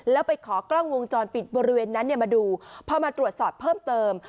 แล้วไปขอกล้องวงจรปิดบริเวณนั้นมาดูพอมาตรวจสอบเพิ่มเติม